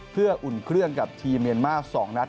เพื่ออุ่นเครื่องกับทีมเมียนมาร์๒นัด